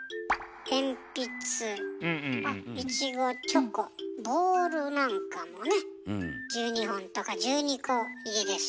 鉛筆いちごチョコボールなんかもね１２本とか１２個入りです。